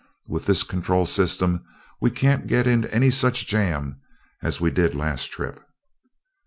With this control system we can't get into any such jam as we did last trip."